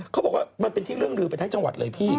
เขาบอกว่ามันเป็นที่เรื่องลือไปทั้งจังหวัดเลยพี่